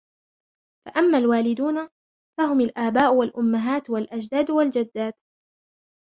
فَأَمَّا الْوَالِدُونَ فَهُمْ الْآبَاءُ وَالْأُمَّهَاتُ وَالْأَجْدَادُ وَالْجَدَّاتُ